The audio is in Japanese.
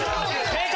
正解！